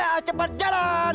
udah cepat jalan